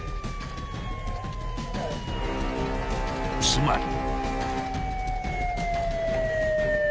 ［つまり］